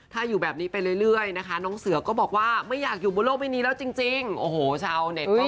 ถ้าอยู่แบบนี้ไปเรื่อยนะคะน้องเสือก็บอกว่าไม่อยากอยู่บนโลกนี้แล้วจริงโอ้โหชาวเน็ต